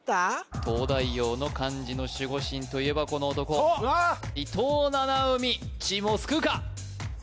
東大王の漢字の守護神といえばこの男伊藤七海チームを救うか！？